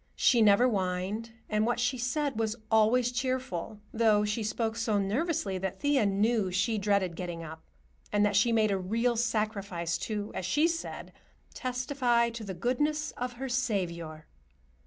She never whined, and what she said was always cheerful, though she spoke so nervously that Thea knew she dreaded getting up, and that she made a real sacrifice to, as she said, "testify to the goodness of her Saviour."